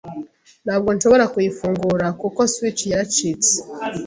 Ntabwo nshobora kuyifungura, kuko switch yaracitse.